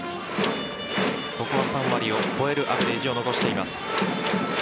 ここは３割を超えるアベレージを残しています。